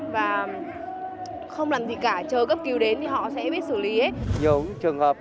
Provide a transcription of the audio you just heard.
và không làm gì cả chờ cấp cứu đến thì họ sẽ biết xử lý hết